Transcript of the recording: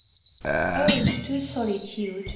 ODE TO SOLITUDE.